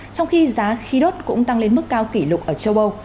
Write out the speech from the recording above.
trong khi giá khí đốt cũng tăng lên mức cao kỷ lục ở châu âu